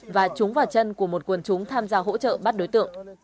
và trúng vào chân của một quần chúng tham gia hỗ trợ bắt đối tượng